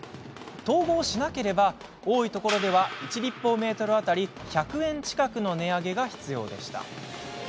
統合しなければ、多いところでは１立方メートル当たり１００円近くの値上げが必要でした。